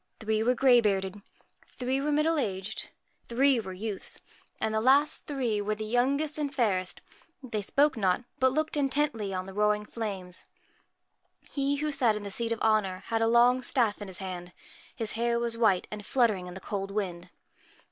Three were grey bearded, three were middle aged, three were 69 USCHKA PRETTY youths ; and the last three were the youngest and MAR fairest. They spake not, but looked intently on t k e roar i n g flames. He who sat in the seat of honour had a long staff in his hand. His hair was white, and fluttering in the cold wind.